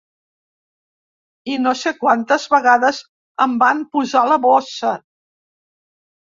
I no sé quantes vegades em van posar la bossa.